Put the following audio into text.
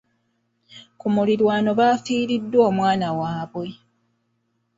Ku muliraano baafiiriddwa omwana waabwe.